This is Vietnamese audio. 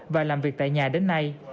và làm việc tại nhà đến nay